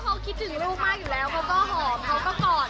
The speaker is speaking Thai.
จะคิดถึงมั้ยก็คงคิดถึงมากเพราะว่าเราไม่เคยห่างกันเลย